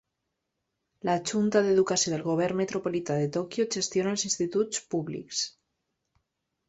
La Junta d'Educació del Govern Metropolità de Tòquio gestiona els instituts públics.